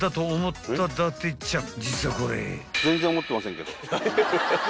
［実はこれ］